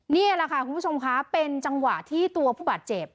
นี่แหละค่ะคุณผู้ชมค่ะเป็นจังหวะที่ตัวผู้บาดเจ็บ